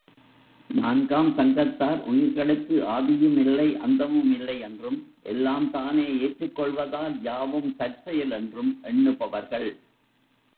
நான்காம் சங்கத்தார் உயிர்களுக்கு ஆதியுமில்லை அந்தமும் இல்லையென்றும் எல்லாம் தானே ஏற்றுக்கொள்வதால் யாவும் தற்செயல் என்றும் எண்ணுபவர்கள்.